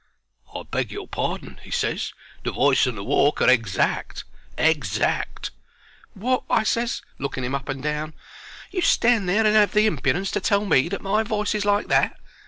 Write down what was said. "I beg your pardon," he ses; "the voice and the walk are exact. Exact." "Wot?" I ses, looking 'im up and down. "You stand there and 'ave the impudence to tell me that my voice is like that?"